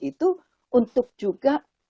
itu untuk juga